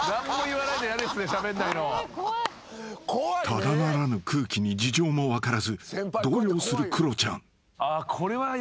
［ただならぬ空気に事情も分からず動揺するクロちゃん］